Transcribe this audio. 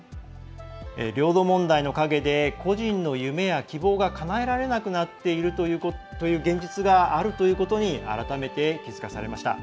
領土問題の影で個人の夢や希望がかなえられなくなっているという現実があるということに改めて気付かされました。